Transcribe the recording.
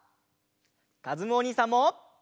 かずむおにいさんも！